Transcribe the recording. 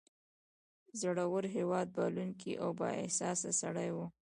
زړور، هیواد پالونکی او با احساسه سړی و.